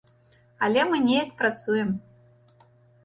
Але мы неяк працуем.